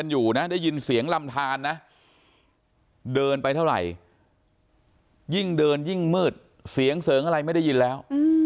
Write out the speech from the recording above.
ยิ่งเดินยิ่งมืดเสียงเสริงอะไรไม่ได้ยินแล้ว